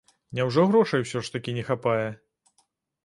Няўжо грошай усё ж такі не хапае?